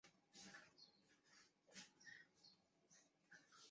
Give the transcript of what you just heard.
米林乌头为毛茛科乌头属下的一个种。